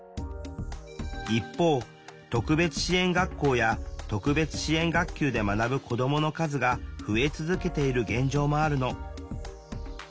一方特別支援学校や特別支援学級で学ぶ子どもの数が増え続けている現状もあるの。